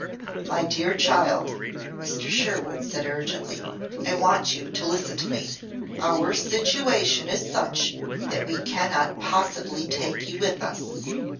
"My dear child!" Mr. Sherwood said urgently. "I want you to listen to me. Our situation is such that we cannot possibly take you with us.